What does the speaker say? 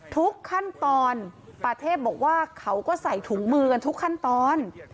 ทุกขั้นตอนป่าเทพบอกว่าเขาก็ใส่ถุงมือกันทุกขั้นตอน